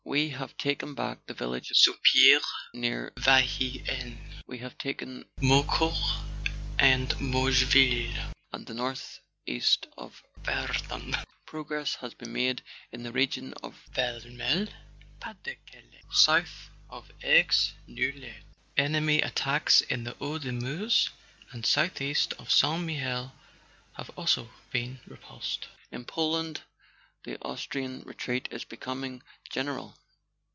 We have taken back the village of Soupir, near Vailly (Aisne); we have taken Maucourt and Mogeville, to the northeast of Verdun. Progress has been made in the region of Ver melles (Pas de Calais), south of Aix Noulette. Enemy attacks in the Hauts de Meuse and southeast of Saint Mihiel have also been repulsed. "In Poland the Austrian retreat is becoming gen¬ eral.